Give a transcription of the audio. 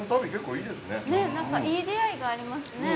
◆いい出会いがありますね。